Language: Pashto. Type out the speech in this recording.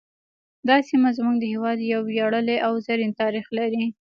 دا سیمه زموږ د هیواد یو ویاړلی او زرین تاریخ لري